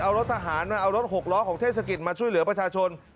เอารถทหารมาเอารถหกล้อของเทศกิจมาช่วยเหลือประชาชน